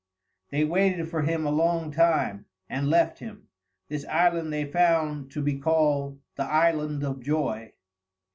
They waited for him a long time and left him. This island they found to be called The Island of Joy.